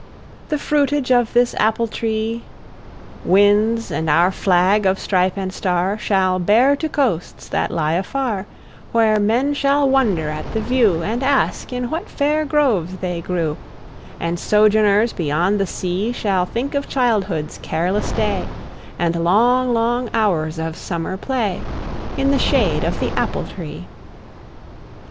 The fruitage of this apple tree, Winds and our flag of stripe and star Shall bear to coasts that lie afar, Where men shall wonder at the view, And ask in what fair groves they grew; And sojourners beyond the sea Shall think of childhood's careless day, And long, long hours of summer play, In the shade of the apple tree.